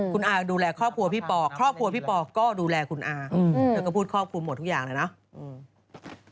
คุณอาดูแลครอบครัวพี่ปอครอบครัวพี่ปอก็ดูแลคุณอาเธอก็พูดครอบคลุมหมดทุกอย่างเลยเนาะ